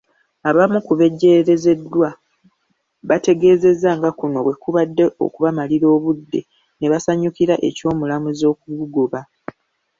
Abamu ku bejjeerezeddwa bategeezezza nga kuno bwe kubadde okubamalira obudde ne basanyukira eky'omulamuzi okugugoba.